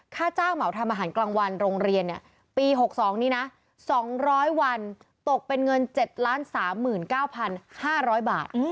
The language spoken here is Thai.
ค่าจ้างเหมาทำอาหารกลางวันโรงเรียนปี๖๒นี้นะ๒๐๐วันตกเป็นเงิน๗๓๙๕๐๐บาท